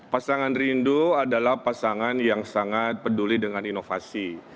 pasangan rindu adalah pasangan yang sangat peduli dengan inovasi